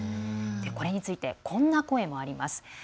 これについてこんな声もあります。